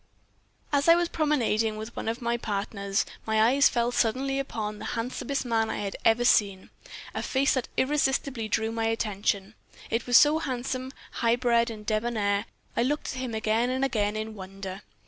"As I was promenading with one of my partners, my eyes fell suddenly upon one of the handsomest men I had ever seen a face that irresistibly drew my attention, it was so handsome, high bred and debonair. I looked at him again and again in wonder.